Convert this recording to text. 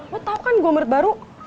lo tau kan gue umret baru